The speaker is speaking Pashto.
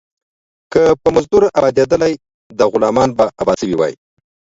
که په مزدور ابآتيدلاى ، ده غلامان به ابات سوي واى.